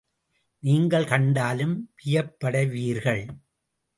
நீங்கள் கண்டாலும் வியப்படைவீர்கள்.